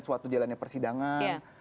suatu jalannya persidangan